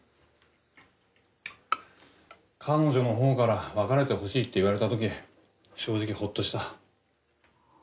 彼女のほうから別れてほしいって言われたとき正直ほっとした。